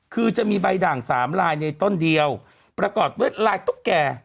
คือจะมีใบด่างสามลายในต้นเดียวประกอบด้วยลายตุ๊กแก่